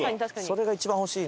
それが一番欲しいな。